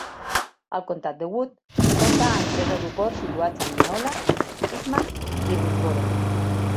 El comtat de Wood compta amb tres aeroports situats a Mineola, Quitman, i Winnsboro.